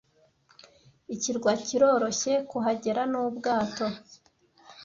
Ikirwa kiroroshye kuhagera nubwato.